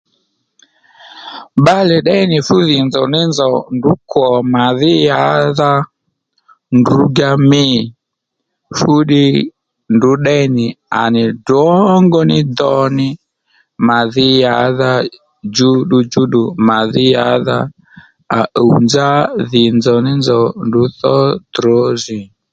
Bbalè ddéy nì fú dhì nzòw ní nzòw ndrǔ kwò màdhí yǎdha ndrǔ-djá mî fúddiy ndrǔ ddéy nì à nì drǒngó ní do ní màdhí yǎdha djú ddu djúddù màdhí yǎdha à ùw nzá dhì nzòw ní nzòw ndrǔ tho trǒzì